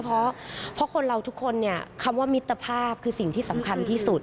เพราะคนเราทุกคนเนี่ยคำว่ามิตรภาพคือสิ่งที่สำคัญที่สุด